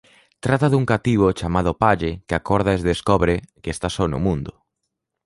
Trata dun cativo chamado Palle que acorda e descobre que está só no mundo.